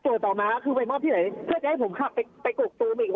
ต่อมาคือไปมอบที่ไหนเพื่อจะให้ผมขับไปกกตูมอีก